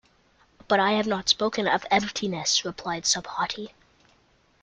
"But I have not spoken of emptiness," replied Subhuti.